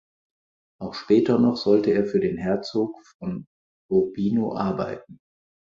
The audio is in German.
Auch später noch sollte er für den Herzog von Urbino arbeiten.